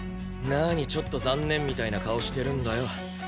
何ちょっと残念みたいな顔してるんだよ。